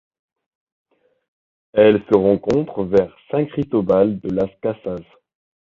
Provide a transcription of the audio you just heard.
Elle se rencontre vers San Cristóbal de Las Casas.